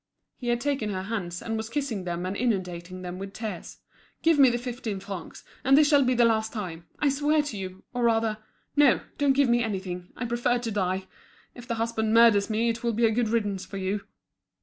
He had taken her hands, and was kissing them and inundating them with tears. "Give me the fifteen francs, and this shall be the last time. I swear to you. Or rather—no!—don't give me anything. I prefer to die. If the husband murders me it will be a good riddance for you."